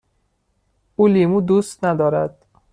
او لیمو دوست ندارد.